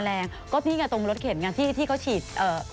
แมลงก็พี่ตรงรถเข็มที่เขาฉีด